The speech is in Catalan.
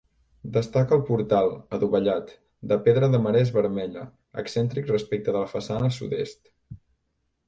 Destaca el portal, adovellat, de pedra de marès vermella, excèntric respecte de la façana sud-est.